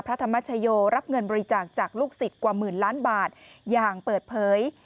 ธรรมชโยรับเงินบริจาคจากลูกศิษย์กว่าหมื่นล้านบาทอย่างเปิดเผย